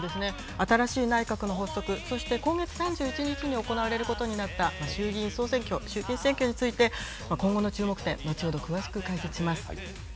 新しい内閣の発足、そして今月３１日に行われることになった衆議院総選挙、衆議院選挙について、今後の注目点、後ほど詳しく解説します。